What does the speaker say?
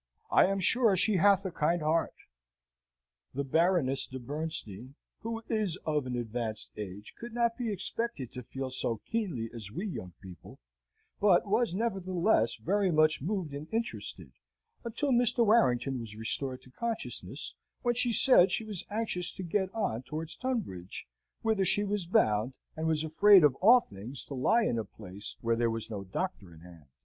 I am sure she hath a kind heart. The Baroness de Bernstein, who is of an advanced age, could not be expected to feel so keenly as we young people; but was, nevertheless, very much moved and interested until Mr. Warrington was restored to consciousness, when she said she was anxious to get on towards Tunbridge, whither she was bound, and was afraid of all things to lie in a place where there was no doctor at hand.